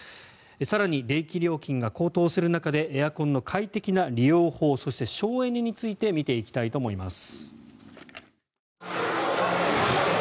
更に、電気料金が高騰する中でエアコンの快適な利用法そして省エネについて見ていきたいと思います。